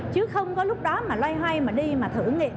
chứ không có lúc đó mà loay hoay mà đi mà thử nghiệm